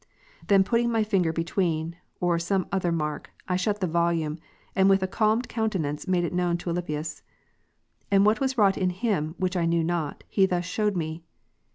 30. Then putting my finger betAveen, or some other mai'k, I shut the volume, and with a calmed countenance made it known to Alypius. And what was wrought in him, which I knew not, he thus shewed me.